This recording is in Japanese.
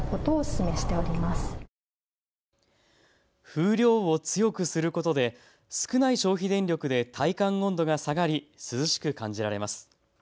風量を強くすることで少ない消費電力で体感温度が下がり涼しく感じられます。